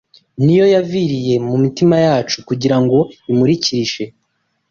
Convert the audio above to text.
ni yo yaviriye mu mitima yacu kugira ngo imurikishe